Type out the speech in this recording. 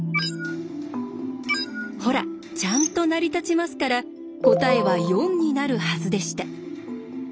ほらちゃんと成り立ちますから答えは４になるはずでした。